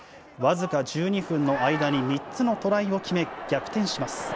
僅か１２分の間に３つのトライを決め、逆転します。